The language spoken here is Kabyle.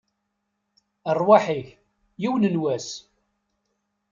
Rrwaḥ-ik, yiwen n wass!